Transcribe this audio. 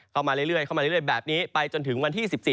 เข้ามาเรื่อยแบบนี้ไปจนถึงวันที่๑๔